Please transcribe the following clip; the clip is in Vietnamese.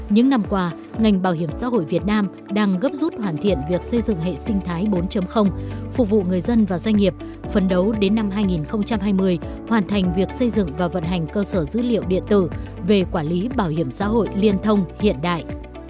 những năm qua ngành bảo hiểm xã hội việt nam đang gấp rút hoàn thiện việc xây dựng hệ sinh thái bốn phục vụ người dân và doanh nghiệp phấn đấu đến năm hai nghìn hai mươi hoàn thành việc xây dựng và vận hành cơ sở dữ liệu điện tử về quản lý bảo hiểm xã hội liên thông hiện đại